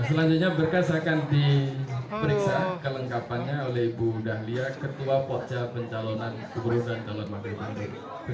selanjutnya berkas akan diperiksa kelengkapannya oleh ibu dahlia ketua pocca pencalonan keburusan talon makhluk mandir